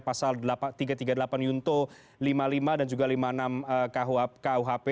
pasal tiga ratus tiga puluh delapan yunto lima puluh lima dan juga lima puluh enam kuhp